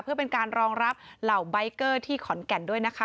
เพื่อเป็นการรองรับเหล่าใบเกอร์ที่ขอนแก่นด้วยนะคะ